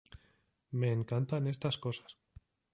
Me encantan estas cosas.